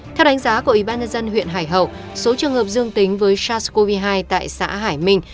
theo đánh giá của ủy ban nhân dân huyện hải hậu số trường hợp dương tính với sars cov hai tại xã hải minh